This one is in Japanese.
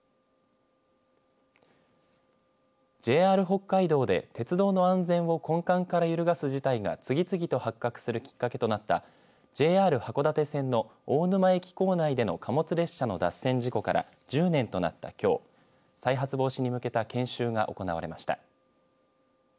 ＪＲ北海道で鉄道の安全を根幹から揺るがす事態が次々と発覚するきっかけとなったＪＲ函館線の大沼駅構内での貨物列車の脱線事故から１０年となったきょう再発防止に向けた研修が行われました。